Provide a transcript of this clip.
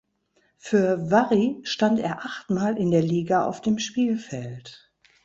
Für Warri stand er achtmal in der Liga auf dem Spielfeld.